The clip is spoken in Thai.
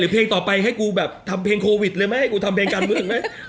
เพลงต่อไปให้กูทำเพลงโควิดทำเพลงกันเมื่อ